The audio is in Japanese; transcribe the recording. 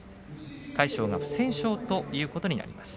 魁勝は不戦勝ということになりました。